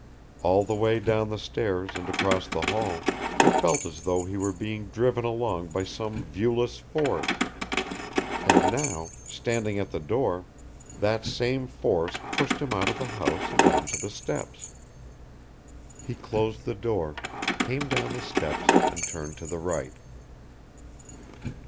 All the way down the stairs and across the hall, he felt as though he were being driven along by some viewless force, and now, standing at the door, that same force pushed him out of the house and on to the steps. He closed the door, came down the steps, and turned to the right.